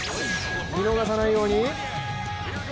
見逃さないように。